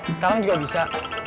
sekarang juga bisa